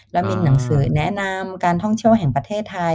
และมีหนังสือแนะนำการท่องเที่ยวแห่งประเทศไทย